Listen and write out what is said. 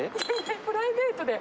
プライベートで。